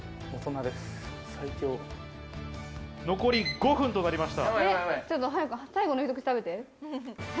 残り５分となりました。